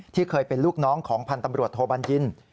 เคยเป็นลูกน้องของพันธ์ตำรวจโทบัญญิน